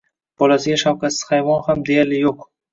Bolasiga shafqatsiz hayvon ham deyarli yo'q.